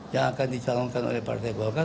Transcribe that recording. yang akan dicalonkan oleh partai golkar